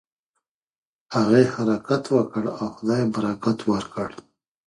هغې حرکت وکړ او خدای برکت ورکړ.